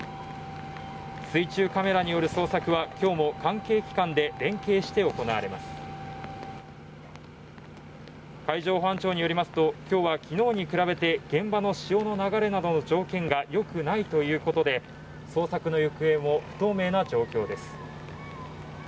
水中カメラによる捜索はきょうも関係機関で連携して行われました海上保安庁によりますときょうはきのうに比べて現場の潮の流れなどの条件が良くないということで捜索の行方も不透明な状況です